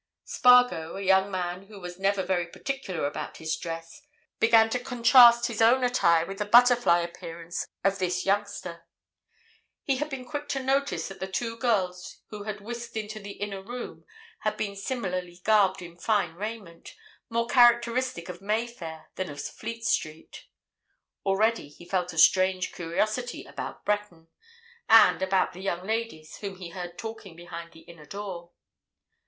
Spargo, a young man who was never very particular about his dress, began to contrast his own attire with the butterfly appearance of this youngster; he had been quick to notice that the two girls who had whisked into the inner room had been similarly garbed in fine raiment, more characteristic of Mayfair than of Fleet Street. Already he felt a strange curiosity about Breton, and about the young ladies whom he heard talking behind the inner door.